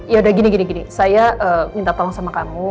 yaudah gini gini gini saya minta tolong sama kamu